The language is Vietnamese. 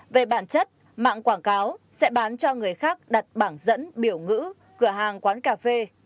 về bản chất mạng quảng cáo sẽ bán cho người khác đặt bảng dẫn biểu ngữ cửa hàng quán cà phê